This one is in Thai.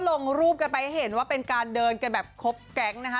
ลงรูปกันไปให้เห็นว่าเป็นการเดินกันแบบครบแก๊งนะคะ